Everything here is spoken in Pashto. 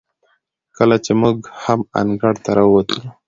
کله چې موږ هم انګړ ته راووتلو،